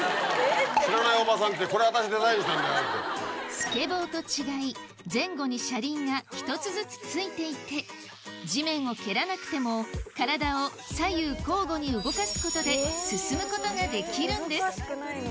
スケボーと違い前後に車輪が１つずつ付いていて地面を蹴らなくても体を左右交互に動かすことで進むことができるんです